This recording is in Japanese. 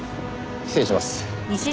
失礼します。